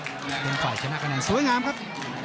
การไพทูลก็เป็นฝ่ายชนะกับแนนสวยงามครับ